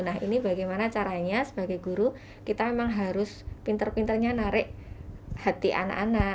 nah ini bagaimana caranya sebagai guru kita memang harus pinter pinternya narik hati anak anak